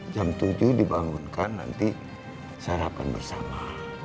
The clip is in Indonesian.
jam tujuh dibangunkan nanti sarapan bersama